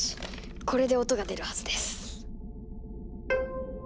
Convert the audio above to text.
これで音が出るはずです。